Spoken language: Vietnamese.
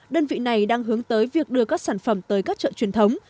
đơn vị này đang hướng tới việc đưa các sản phẩm tới các chợ truyền thống